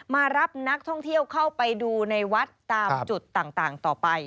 มารับนักท่องเที่ยวเข้าไปดูในวัดตามจุดต่างต่อไป